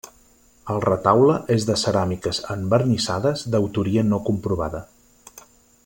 El retaule és de ceràmiques envernissades d'autoria no comprovada.